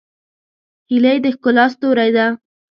هیلۍ د ښکلا ستوری ده